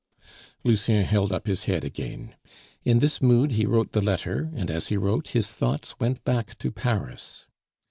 Lucien held up his head again. In this mood he wrote the letter, and as he wrote his thoughts went back to Paris.